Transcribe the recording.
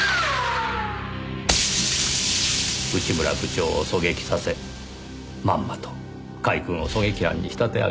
内村部長を狙撃させまんまと甲斐くんを狙撃犯に仕立て上げた。